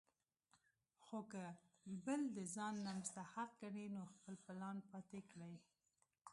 خو کۀ بل د ځان نه مستحق ګڼي نو خپل پلان پاتې کړي ـ